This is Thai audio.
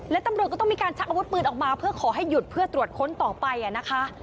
และตำรวจก็ต้องมีการชักอาวุธปืนออกมาเพื่อขอให้หยุดเพื่อตรวจค้นต่อไปนะคะ